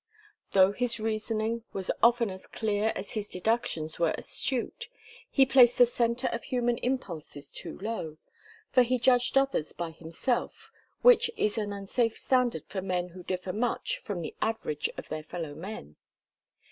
Though his reasoning was often as clear as his deductions were astute, he placed the centre of human impulses too low, for he judged others by himself, which is an unsafe standard for men who differ much from the average of their fellow men.